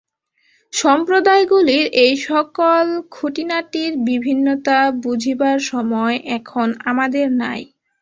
সম্প্রদায়গুলির এই-সকল খুঁটিনাটির বিভিন্নতা বুঝিবার সময় এখন আমাদের নাই।